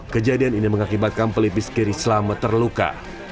kejadian ini mengakibatkan pelipis kiri selamat terluka